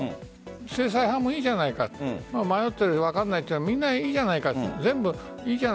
制裁派もいいじゃないかと迷っているし分からないっていうのはいいじゃないかと。